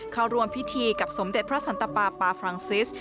เข้าร่วมพิธีกับสมเด็จพระสันตปาปาฟรังซิส